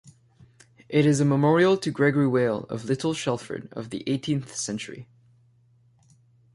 It is a memorial to Gregory Wale, of Little Shelford, of the eighteenth century.